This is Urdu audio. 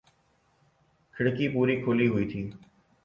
کھڑکی پوری کھلی ہوئی تھی